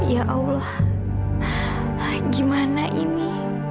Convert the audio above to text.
ya allah gimana ini